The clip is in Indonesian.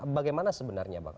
bagaimana sebenarnya bang